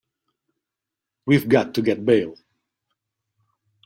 We've got to get bail.